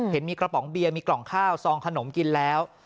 เห็นมีกระป๋องเบียร์มีกล่องข้าวซองขนมกินแล้ว